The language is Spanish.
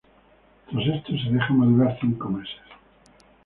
Tras esto se deja madurar cinco meses.